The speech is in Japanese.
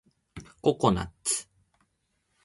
ココナッツ